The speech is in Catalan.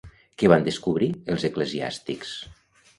Què van descobrir els eclesiàstics?